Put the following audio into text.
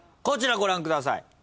こちらご覧ください。